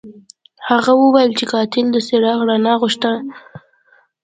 هغه وویل چې قاتل د څراغ رڼا غوښته.